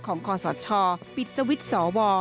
ของคอสชปิดสวิทย์สว